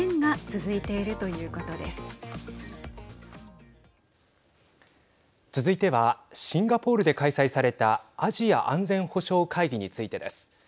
続いてはシンガポールで開催されたアジア安全保障会議についてです。